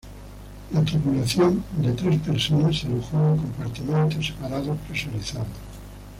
La tripulación de tres personas se alojó en compartimientos separados, presurizados.